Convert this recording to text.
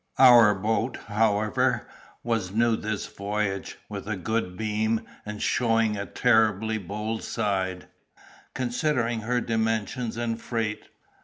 Our boat, however, was new this voyage, with a good beam, and showing a tolerably bold side, considering her dimensions and freight.